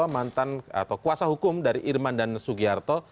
ketua kuasa hukum dari irman dan sugiarto